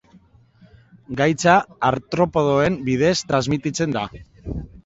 Gaitza artropodoen bidez transmititzen da.